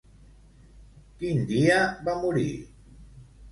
Quin dia va morir?